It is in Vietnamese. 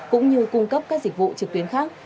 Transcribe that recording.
cũng như cung cấp các dịch vụ trực tuyến khác